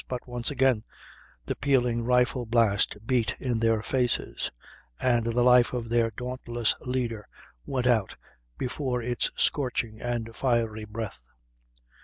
But once again the pealing rifle blast beat in their faces; and the life of their dauntless leader went out before its scorching and fiery breath.